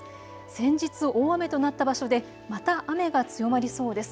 先日、大雨となった場所でまた雨が強まりそうです。